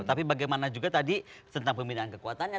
tapi bagaimana juga tadi tentang pembinaan kekuatannya